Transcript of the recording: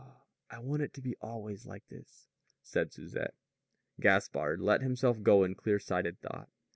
"Ah, I want it to be always like this," said Susette. Gaspard let himself go in clear sighted thought.